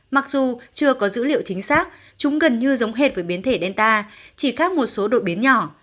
mặc dù chưa có dữ liệu chính xác chúng gần như giống hệt với biến thể delta chỉ khác một số đột biến nhỏ